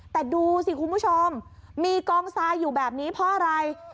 แต่ดูสิคุณผู้ชมมีกองทรายอยู่แบบนี้เพราะอะไร